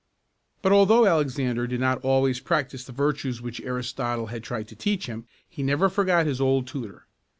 But although Alexander did not always practice the virtues which Aristotle had tried to teach him, he never forgot his old tutor.